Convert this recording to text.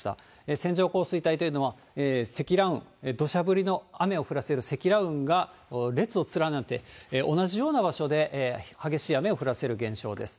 線状降水帯というのは積乱雲、土砂降りの雨を降らせる積乱雲が列を連なって、同じような場所で激しい雨を降らせる現象です。